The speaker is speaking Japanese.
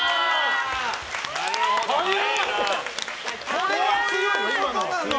これは強い。